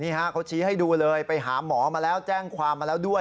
เขาชี้ให้ดูเลยไปหาหมอมาแล้วแจ้งความมาแล้วด้วย